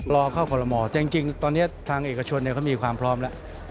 รอเข้าคอลโมแต่จริงตอนนี้ทางเอกชนเขามีความพร้อมแล้ว